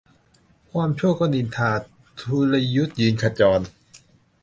ความชั่วก็นินทา ทุรยศยืนขจร